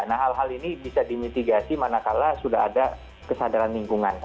nah hal hal ini bisa dimitigasi manakala sudah ada kesadaran lingkungan